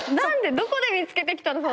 どこで見つけてきたの？